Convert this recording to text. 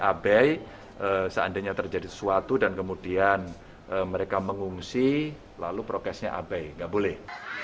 abai seandainya terjadi sesuatu dan kemudian mereka mengungsi lalu prokesnya abai nggak boleh